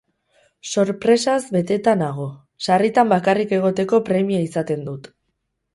Sorpresaz beteta nago, sarritan bakarrik egoteko premia izaten dut.